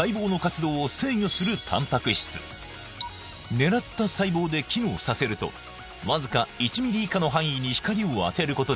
狙った細胞で機能させるとわずか１ｍｍ以下の範囲に光を当てることで